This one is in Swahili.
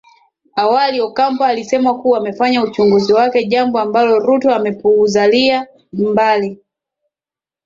awali ocampo alisema kuwa amefanya uchunguzi wake jambo ambalo ruto amepuuzalia mbali